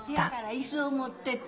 椅子を持ってって。